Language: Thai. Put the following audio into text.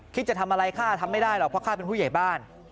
จะทำอะไรข้าทำไม่ได้หรอกเพราะข้าเป็นผู้ใหญ่บ้าน